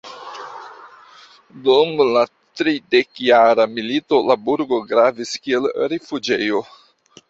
Dum la Tridekjara milito la burgo gravis kiel rifuĝejo.